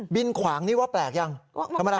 บินขวางนี่ว่าแปลกหรือยัง